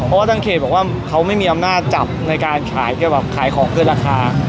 เพราะว่าตั้งเขตบอกว่าเขาไม่มีอำนาจจับในการขายของเครื่องราคา